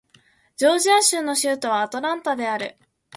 ジョージア州の州都はアトランタである